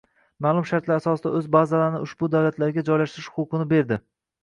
ma’lum shartlar asosida o‘z bazalarini ushbu davlatlarga joylashtirish huquqini berdi.